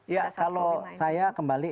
ya kalau saya kembali